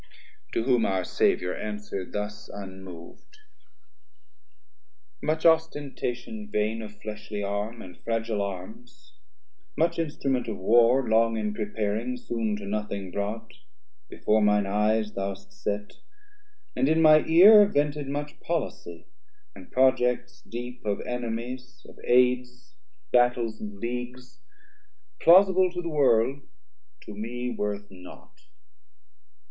To whom our Saviour answer'd thus unmov'd. Much ostentation vain of fleshly arm, And fragile arms, much instrument of war Long in preparing, soon to nothing brought, Before mine eyes thou hast set; and in my ear 390 Vented much policy, and projects deep Of enemies, of aids, battels and leagues, Plausible to the world, to me worth naught.